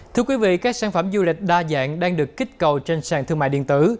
thưa quý vị các sản phẩm du lịch đa dạng đang được kích cầu trên sàn thương mại điện tử